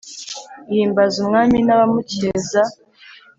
Ihimbaza umwami n’abamukeza